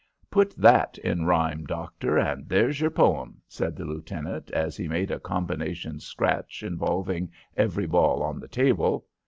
"Put that in rhyme, doctor, and there's your poem," said the lieutenant, as he made a combination scratch involving every ball on the table.